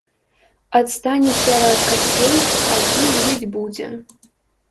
Адстане цела ад касцей, а кій жыць будзе.